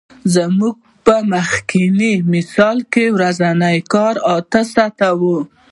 زموږ په مخکیني مثال کې ورځنی کار اته ساعته وو